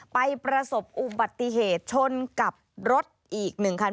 ประสบอุบัติเหตุชนกับรถอีก๑คัน